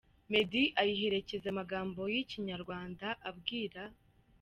Meddy, ayiherekeza amagambo y’Ikinyarwanda abwira